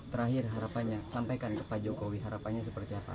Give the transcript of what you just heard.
terakhir harapannya sampaikan ke pak jokowi harapannya seperti apa